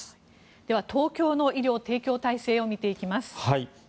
では、東京の医療提供体制を見ていきます。